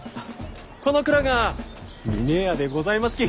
この蔵が峰屋でございますき。